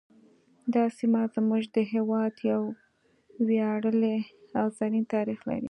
دا سیمه زموږ د هیواد یو ویاړلی او زرین تاریخ لري